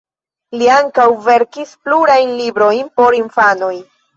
Li ankaŭ verkis plurajn librojn por infanoj.